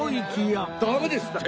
ダメですって！